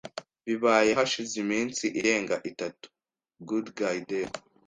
Bibaye hashize iminsi irenga itatu. (goodguydave)